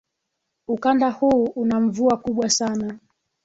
ukanda huu una mvua kubwa sana